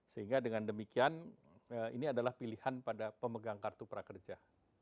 sehingga dengan demikian ini adalah pilihan pada pemegang kartu prakerja